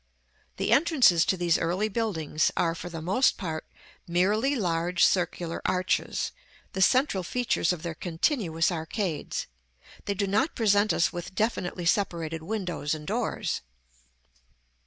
The entrances to these early buildings are, for the most part, merely large circular arches, the central features of their continuous arcades: they do not present us with definitely separated windows and doors.